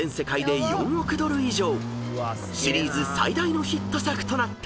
［シリーズ最大のヒット作となった］